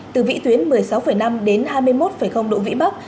từ vĩ tuyến một mươi sáu năm đến hai mươi một độ vĩ bắc